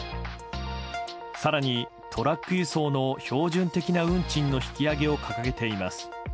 更にトラック輸送の標準的な運賃の引き上げを掲げています。